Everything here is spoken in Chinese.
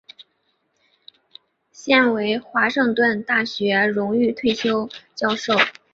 现为华盛顿大学荣誉退休教授。